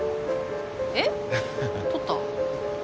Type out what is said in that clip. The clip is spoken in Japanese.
えっ？撮った？